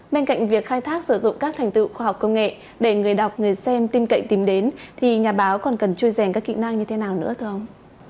bên cạnh việc khai thác sử dụng các thành tựu khoa học công nghệ để người đọc người xem tin cậy tìm đến thì nhà báo còn cần chơi rèn các kỹ năng như thế nào nữa thưa ông